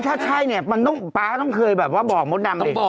ถ้าใช่เนี่ยป้าต้องเคยบอกมดดำเลย